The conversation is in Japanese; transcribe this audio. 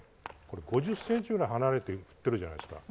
５０ｃｍくらい離れて振ってるじゃないですか。